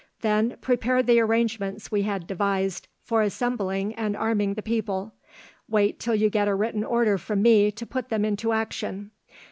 Then prepare the arrangements we had devised for assembling and arming the people; wait till you get a written order from me to put them into action.